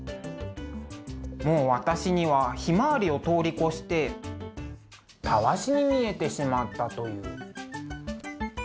もう私にはひまわりを通り越してタワシに見えてしまったという。